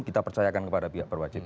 kita percayakan kepada pihak berwajib